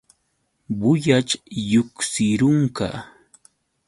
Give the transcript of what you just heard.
Bullaćh lluqsirunqa.